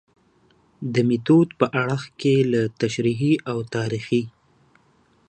د میتود په اړخ کې له تشریحي او تاریخي